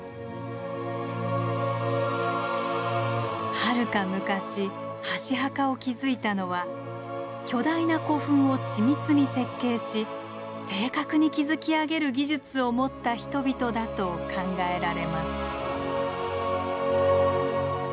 はるか昔箸墓を築いたのは巨大な古墳を緻密に設計し正確に築き上げる技術を持った人々だと考えられます。